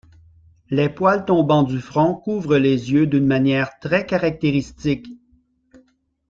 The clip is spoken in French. Les poils tombant du front couvrent les yeux d’une manière très caractéristique.